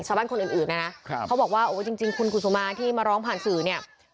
ชาวบ้านคนอื่นนะนะเขาบอกว่าโอ้จริงคุณกุศุมาที่มาร้องผ่านสื่อเนี่ย